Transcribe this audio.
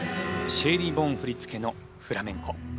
シェイリーン・ボーン振り付けのフラメンコ『マラゲーニャ』。